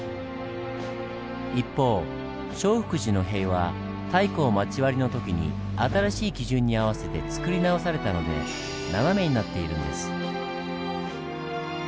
一方聖福寺の塀は太閤町割の時に新しい基準に合わせてつくり直されたので斜めになっているんです。